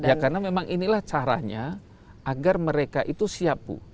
ya karena memang inilah caranya agar mereka itu siap bu